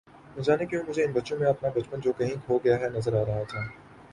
نجانے کیوں مجھے ان بچوں میں اپنا بچپن جو کہیں کھو گیا ہے نظر آ رہا تھا